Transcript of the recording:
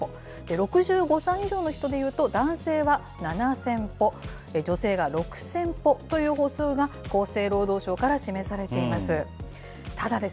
６５歳以上の人でいうと、男性は７０００歩、女性が６０００歩という歩数が、厚生労働省から示されています。